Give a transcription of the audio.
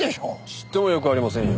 ちっとも良くありませんよ。